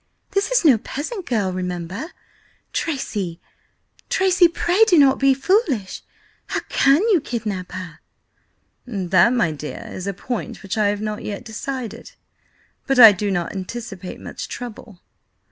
This is no peasant girl, remember. Tracy, Tracy, pray do not be foolish! How can you kidnap her?" "That, my dear, is a point which I have not yet decided. But I do not anticipate much trouble."